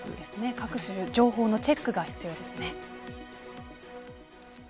各種情報のチェックが必要ですね。